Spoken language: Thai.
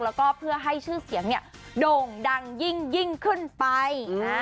แล้วก็เพื่อให้ชื่อเสียงเนี่ยโด่งดังยิ่งขึ้นไป